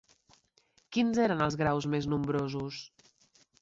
Quins eren els graus més nombrosos?